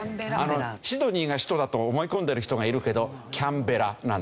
シドニーが首都だと思い込んでる人がいるけどキャンベラなんです。